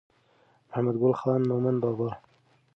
محمد ګل خان مومند بابا